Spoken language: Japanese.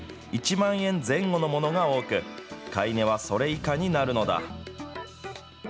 １万円前後のものが多く、買値はそれ以下になるのだ。